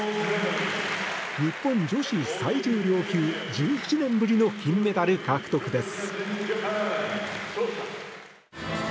日本女子最重量級１７年ぶりの金メダル獲得です。